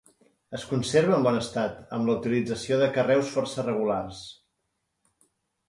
Es conserva en bon estat, amb la utilització de carreus força regulars.